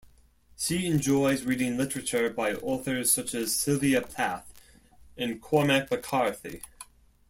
She enjoys reading literature by authors such as Sylvia Plath and Cormac McCarthy.